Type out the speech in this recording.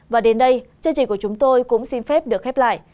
và đến đây chương trình của chúng tôi cũng xin phép được khép lại